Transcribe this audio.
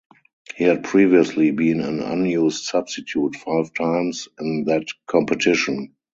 He had previously been an unused substitute five times in that competition.